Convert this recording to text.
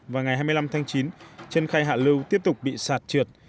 và ngày hai mươi năm tháng chín chân khay hạ lưu tiếp tục bị sạt trượt